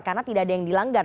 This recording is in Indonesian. karena tidak ada yang dilanggar